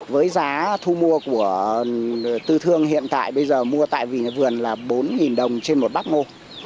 với giá thu mua của tư thương hiện tại bây giờ mua tại vì nhà vườn là bốn đồng trên một bát ngô